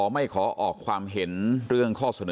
ไม่ขอออกความเห็นเรื่องข้อเสนอ